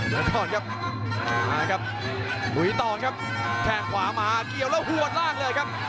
เดี๋ยวก่อนครับมาครับลุยต่อครับแข่งขวามาเกี่ยวแล้วหัวล่างเลยครับ